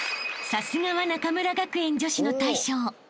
［さすがは中村学園女子の大将］